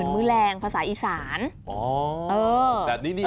อ๋ออ๋ออ๋อแบบนี้นี่เอง